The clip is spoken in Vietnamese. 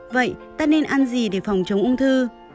vậy ta nên ăn gì để phòng chống ung thư